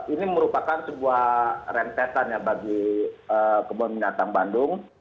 ini merupakan sebuah rentetan ya bagi kebun binatang bandung